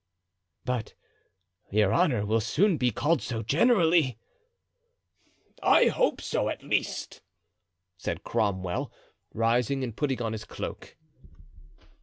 "But your honor will soon be called so generally." "I hope so, at least," said Cromwell, rising and putting on his cloak.